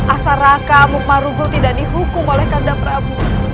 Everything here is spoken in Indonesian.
asal raka amuk marugu tidak dihukum oleh kandang prabu